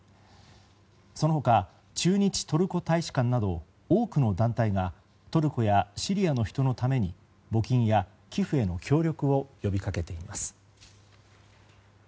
その他、駐日トルコ大使館など多くの団体がトルコやシリアの人のために募金や寄付への協力を呼び掛けています。